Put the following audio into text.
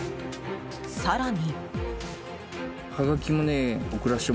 更に。